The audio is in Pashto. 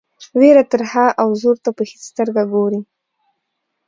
وېره ترهه او زور ته په هیڅ سترګه ګوري.